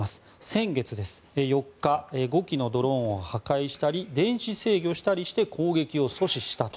先月４日、５機のドローンを破壊したり、電子制御したりして攻撃を阻止したと。